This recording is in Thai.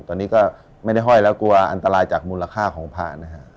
ตอนนี้ก็ไม่ได้ห้อยแล้วกลัวอันตรายจากมูลค่าของผ่านนะฮะ